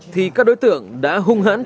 thì các đối tượng đã hung hãn